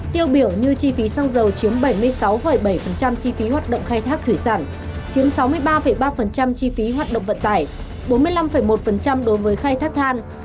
tiêu biểu như chi phí xăng dầu chiếm bảy mươi sáu bảy chi phí hoạt động khai thác thủy sản chiếm sáu mươi ba ba chi phí hoạt động vận tải bốn mươi năm một đối với khai thác than